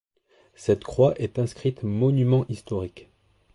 Cette croix est inscrite monument historique.